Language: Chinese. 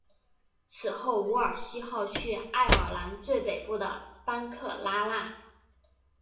此后伍尔西号去爱尔兰最北部的班克拉纳。